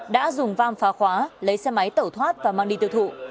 đã dùng vam phá khóa lấy xe máy tẩu thoát và mang đi tiêu thụ